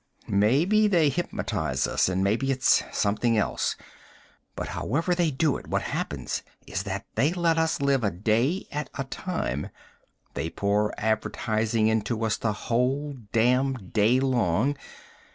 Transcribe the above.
"Maybe they hypnotize us and maybe it's something else; but however they do it, what happens is that they let us live a day at a time. They pour advertising into us the whole damned day long.